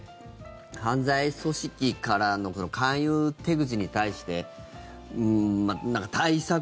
犯罪組織からの勧誘手口に対して何か対策？